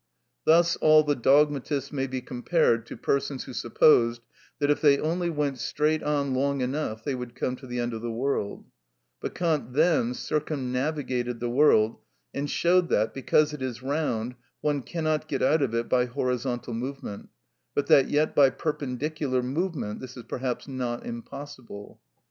Thus, all the dogmatists may be compared to persons who supposed that if they only went straight on long enough they would come to the end of the world; but Kant then circumnavigated the world and showed that, because it is round, one cannot get out of it by horizontal movement, but that yet by perpendicular movement this is perhaps not impossible.